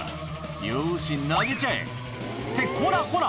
「よし投げちゃえ」ってこらこら